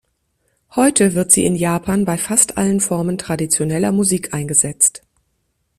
Heute wird sie in Japan bei fast allen Formen traditioneller Musik eingesetzt.